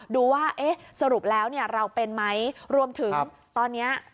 ดูว่าเอ๊ะสรุปแล้วเราเป็นไหมรวมถึงตอนนี้